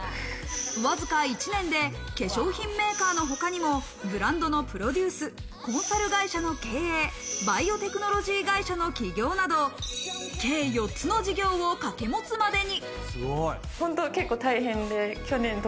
わずか１年で化粧品メーカーのほかにもブランドのプロデュース、コンサル会社の経営、バイオテクノロジー会社の企業など計４つの事業を掛け持つまでに。